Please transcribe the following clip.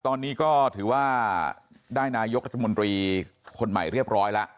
ตอนนี้ก็ถือว่าได้นายกรัฐมนตรีคนใหม่เรียบร้อยแล้ว